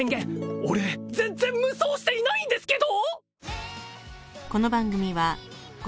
俺全然無双していないんですけど！